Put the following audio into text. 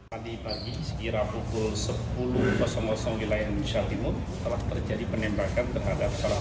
pagi pagi sekitar pukul sepuluh wit telah terjadi penembakan berhadap salah satu